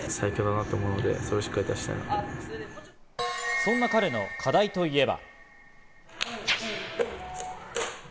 そんな彼の課題と言えば。